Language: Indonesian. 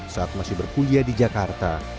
saat masih berkuliah di jakarta